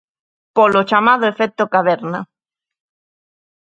Polo chamado efecto caverna.